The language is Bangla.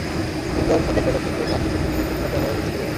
বুধবার সন্ধ্যা ছয়টার দিকে কাজ শেষে তিনি ব্যাংকের কার্যালয় থেকে বের হন।